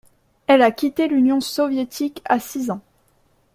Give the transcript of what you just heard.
Elle a quitté l'Union soviétique à six ans.